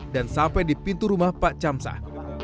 dan sampai di pintu rumah pak camsah